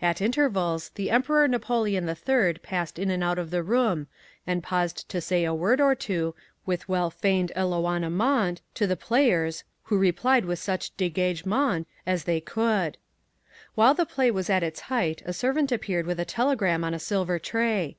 At intervals the Emperor Napoleon III passed in and out of the room, and paused to say a word or two, with well feigned eloignement, to the players, who replied with such degagement as they could. "While the play was at its height a servant appeared with a telegram on a silver tray.